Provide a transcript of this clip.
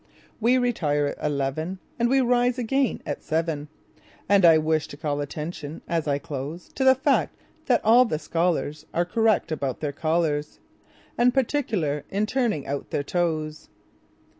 We retire at eleven, And we rise again at seven; And I wish to call attention, as I close, To the fact that all the scholarsAre correct about their collars, And particular in turning out their toes.